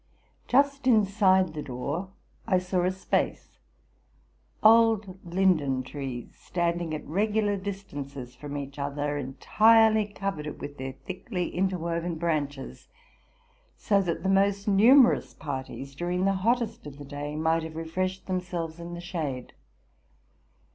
Just inside the door I saw a space. Old linden trees, stand ing at regular distances from each other, entirely covered it with their thickly interwoven branches; so that the most numerous parties, during the hottest of the day, might have refreshed themselves in the shade.